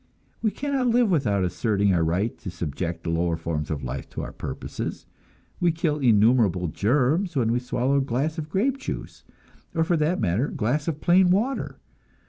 We cannot live without asserting our right to subject the lower forms of life to our purposes; we kill innumerable germs when we swallow a glass of grape juice, or for that matter a glass of plain water.